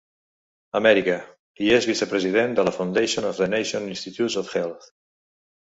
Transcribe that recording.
Amèrica i és vicepresident de la Foundation for the National Institutes of Health.